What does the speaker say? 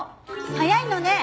早いのね。